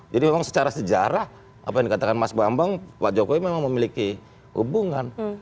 jadi memang secara sejarah apa yang dikatakan mas bambang pak jokowi memang memiliki hubungan